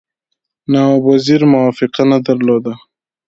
نواب وزیر موافقه نه درلوده.